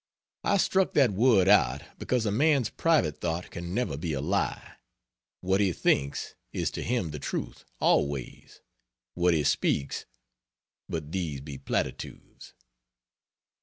(I struck that word out because a man's private thought can never be a lie; what he thinks, is to him the truth, always; what he speaks but these be platitudes.)